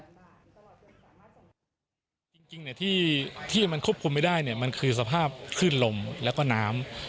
จริงที่มันควบคุมไม่ได้เนี่ยมันคือสภาพคลื่นลมแล้วก็น้ำ